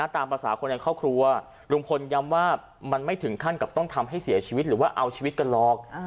ตามภาษาคนในครอบครัวลุงพลย้ำว่ามันไม่ถึงขั้นกับต้องทำให้เสียชีวิตหรือว่าเอาชีวิตกันหรอก